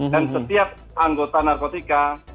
dan setiap anggota narkotika